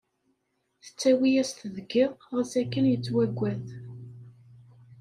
Tettawi-yas-t deg iḍ, ɣas akken yettwaggad.